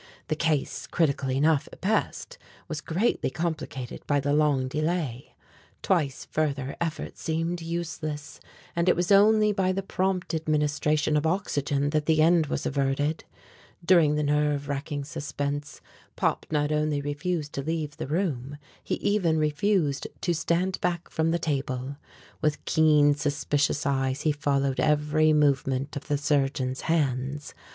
The case, critical enough at best, was greatly complicated by the long delay. Twice further effort seemed useless, and it was only by the prompt administration of oxygen that the end was averted. During the nerve racking suspense Pop not only refused to leave the room, he even refused to stand back from the table. With keen, suspicious eyes he followed every movement of the surgeons' hands.